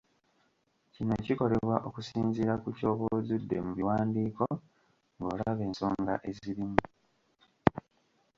kino kikolebwa okusinziira ku ky’oba ozudde mu biwandiiko ng’olaba esonga ezirimu.